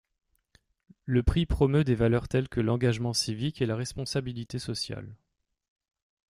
Le prix promeut des valeurs telles que l'engagement civique et la responsabilité sociale.